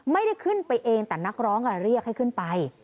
ไม่ได้ขึ้นไปเองแต่นักร้องเรียกให้ขึ้นไป